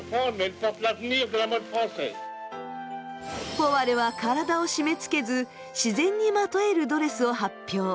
ポワレは体を締めつけず自然にまとえるドレスを発表。